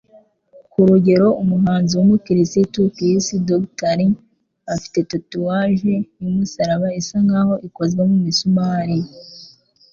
Kurugero, umuhanzi wumukirisitu, Chris Daughtry, afite tatouage yumusaraba isa nkaho ikozwe mumisumari.